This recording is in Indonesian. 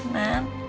eh orang itu